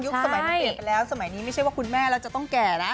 สมัยมันเปลี่ยนไปแล้วสมัยนี้ไม่ใช่ว่าคุณแม่เราจะต้องแก่นะ